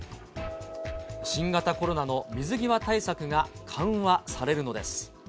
新型コロナの水際対策が緩和されるのです。